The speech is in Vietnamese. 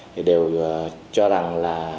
thì đều cho rằng là